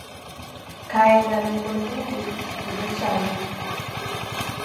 Kaenda mighondinyi kudo changu.